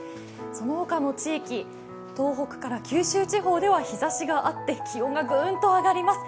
その他の地域、東北から九州地方では日ざしがあって気温がぐーんと上がります。